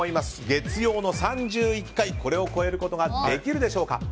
月曜の３１回これを超えることができるでしょうか。